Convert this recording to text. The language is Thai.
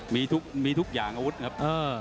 มีทุกอย่างอาวุธครับ